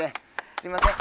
すいません。